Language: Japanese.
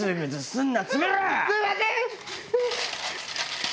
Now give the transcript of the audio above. すいません！